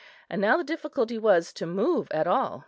And now the difficulty was to move at all.